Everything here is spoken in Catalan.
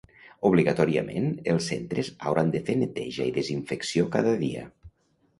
Obligatòriament, els centres hauran de fer neteja i desinfecció cada dia.